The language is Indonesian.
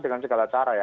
dengan segala cara ya